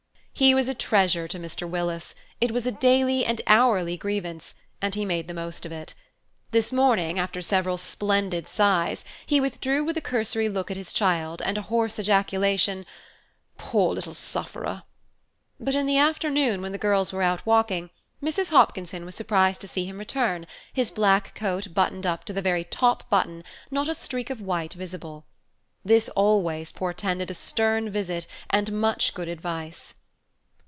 He was a treasure to Mr. Willis; it was a daily and hourly grievance, and he made the most of it. This morning, after several splendid sighs, he withdrew with a cursory look at his child and a hoarse ejaculation, "Poor little sufferer!" but in the afternoon, when the girls were out walking, Mrs. Hopkinson was surprised to see him return, his black coat buttoned up to the very top button, not a streak of white visible. This always portended a stern visit and much good advice.